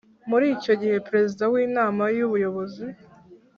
Muri icyo gihe Perezida w Inama y Ubuyobozi